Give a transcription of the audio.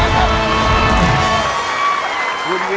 ตัดสินใจให้ดี